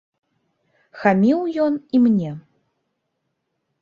Хаміў ён і мне.